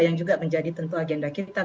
yang juga menjadi tentu agenda kita